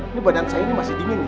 ini badan saya ini masih dingin ya